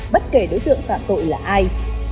bất kể đối tượng phạm tội là ai